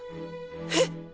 えっ！？